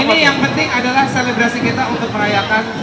ini yang penting adalah selebrasi kita untuk merayakan